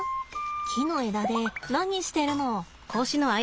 木の枝で何してるの？